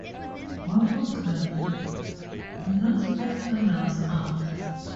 One month later, Mina's first single was out.